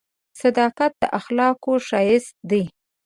• صداقت د اخلاقو ښایست دی.